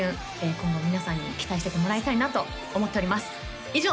今後皆さんに期待しててもらいたいなと思っております以上！